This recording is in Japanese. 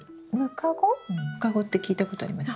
ムカゴって聞いたことあります？